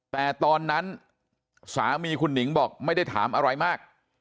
แต่ตอนนั้นสามีคุณหนิงบอกไม่ได้ถามอะไรมาก